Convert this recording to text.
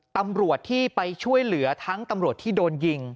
ตำรวจที่ไปช่วยเหลือทั้งตำรวจที่โดนยิง